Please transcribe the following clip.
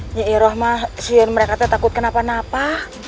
nyiblahmah siun mereka tertakut kenapa napa